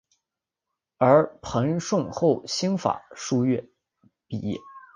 而彭顺后于新法书院毕业。